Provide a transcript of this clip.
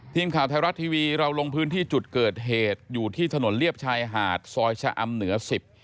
ทีมข่าวไทยรัฐทีวีเราลงพื้นที่จุดเกิดเหตุอยู่ที่ถนนเรียบชายหาดซอยชะอำเหนือสิบ